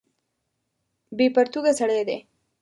بې پرتوګه سړی دی.